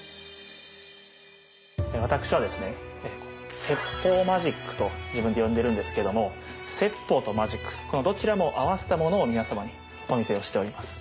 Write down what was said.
私はですね説法マジックと自分で呼んでるんですけども説法とマジックこのどちらも合わせたものを皆様にお見せをしております。